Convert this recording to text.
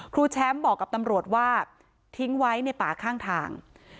ครูแชมป์บอกกับตำรวจว่าทิ้งไว้ในป่าข้างทาง